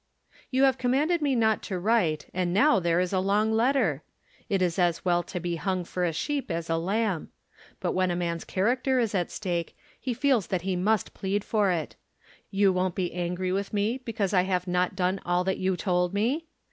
"You have commanded me not to write, and now there is a long letter! It is as well to be hung for a sheep as a lamb. But when a man's character is at stake he feels that he must plead for it. You won't be angry with me because I have not done all that you told me?